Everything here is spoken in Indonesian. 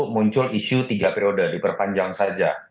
muncul isu tiga periode diperpanjang saja